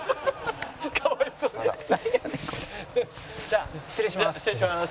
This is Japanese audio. じゃあ失礼します。